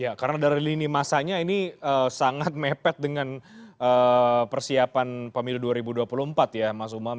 ya karena dari lini masanya ini sangat mepet dengan persiapan pemilu dua ribu dua puluh empat ya mas umam